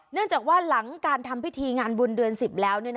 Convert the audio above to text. เนื่องจากว่าหลังการทำพิธีงานบุญเดือน๑๐แล้ว